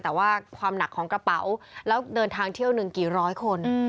แต่ว่าความหนักของกระเป๋าแล้วเดินทางเที่ยวหนึ่งกี่ร้อยคน